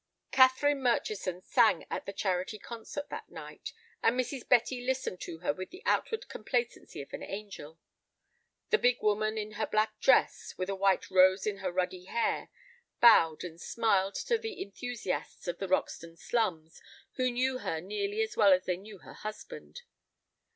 Catherine Murchison sang at the charity concert that night, and Mrs. Betty listened to her with the outward complacency of an angel. The big woman in her black dress, with a white rose in her ruddy hair, bowed and smiled to the enthusiasts of the Roxton slums who knew her nearly as well as they knew her husband.